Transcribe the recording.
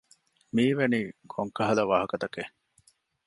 މި އިވެނީ ކޮން ކަހަލަ ވާހަކަތަކެއް؟